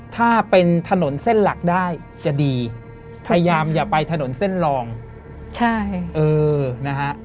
ถ้าเป็นถนนเส้นหลักได้จะดีพยายามอย่าไปถนนเส้นรองใช่เออนะฮะ